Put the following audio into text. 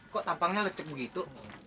kok tampangnya lecek begitu